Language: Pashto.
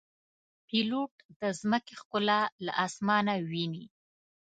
پیلوټ د ځمکې ښکلا له آسمانه ویني.